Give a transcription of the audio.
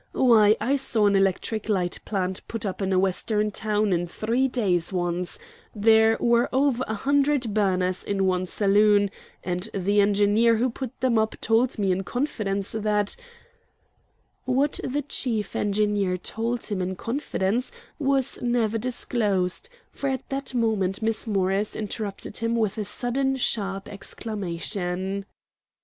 Why, I saw an electric light plant put up in a Western town in three days once; there were over a hundred burners in one saloon, and the engineer who put them up told me in confidence that " What the chief engineer told him in confidence was never disclosed, for at that moment Miss Morris interrupted him with a sudden sharp exclamation.